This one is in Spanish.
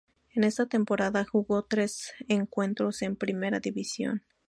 En esa temporada jugó tres encuentros en Primera División.